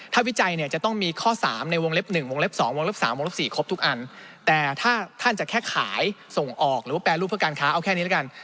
ถ้าวิจัยเนี่ยจะต้องมีข้อ๓ในวงเล็บ๑วงเล็บ๒วงเล็บ๓วงเล็บ๔ครบทุกอันแต่ถ้าท่านจะแค่ขายส่งออกหรือว่าแปรรูปเพื่อการค้าเอาแค่นี้แล้วกัน